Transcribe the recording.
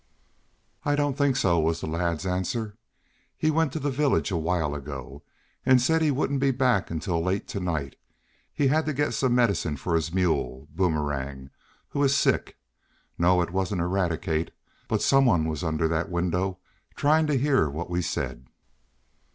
"I don't think so," was the lad's answer. "He went to the village a while ago, and said he wouldn't be back until late to night. He had to get some medicine for his mule, Boomerang, who is sick. No, it wasn't Eradicate; but some one was under that window, trying to hear what we said."